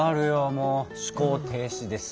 もう思考停止です。